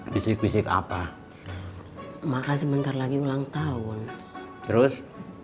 bisik bisik apa maka sebentar lagi ulang tahun terus